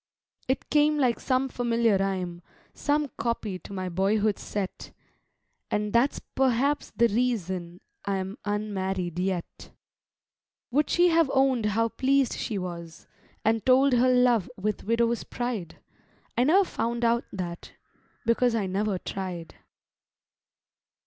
It came like some familiar rhyme, Some copy to my boyhood set; And that's perhaps the reason I'm Unmarried yet. Would she have own'd how pleased she was, And told her love with widow's pride? I never found out that, because I never tried.